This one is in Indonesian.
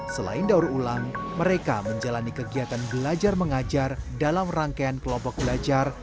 selain daur ulang mereka menjalani kegiatan belajar mengajar dalam rangkaian kelompok belajar